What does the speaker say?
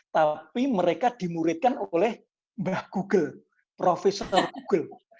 tapi mereka dimuridkan oleh mbah google profesor google